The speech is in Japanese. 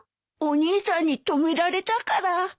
お兄さんに止められたから。